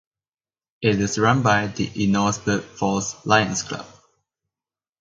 It is run by the Enosburg Falls Lions Club.